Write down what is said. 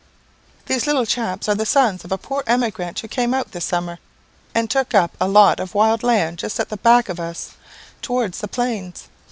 "These little chaps are the sons of a poor emigrant who came out this summer, and took up a lot of wild land just at the back of us, towards the plains.